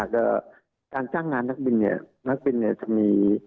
การจ้างงานนักบินนักบินจะมี